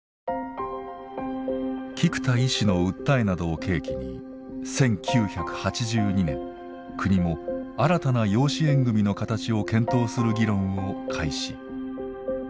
菊田医師の訴えなどを契機に１９８２年国も新たな養子縁組の形を検討する議論を開始。